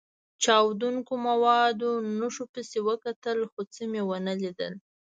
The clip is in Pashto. چاودېدونکو موادو نښو پسې وکتل، خو څه مې و نه لیدل.